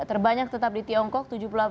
terbanyak tetap di tiongkok